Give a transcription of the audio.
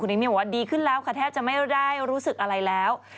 เอมมี่บอกว่าดีขึ้นแล้วค่ะแทบจะไม่ได้รู้สึกอะไรแล้ว